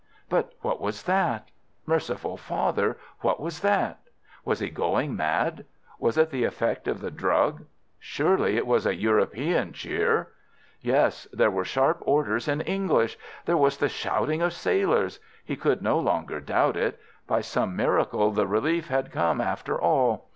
But what was that? Merciful Father, what was that? Was he going mad? Was it the effect of the drug? Surely it was a European cheer? Yes, there were sharp orders in English. There was the shouting of sailors. He could no longer doubt it. By some miracle the relief had come after all.